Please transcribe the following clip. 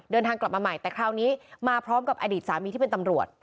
เดินทางกลับมาใหม่แต่คราวนี้มาพร้อมกับอดีตสามีที่เป็นตำรวจ